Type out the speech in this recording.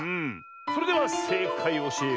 それではせいかいをおしえよう。